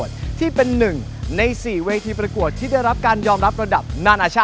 สนุนโดยสถาบันความงามโย